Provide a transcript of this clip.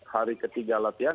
hari ketiga latihan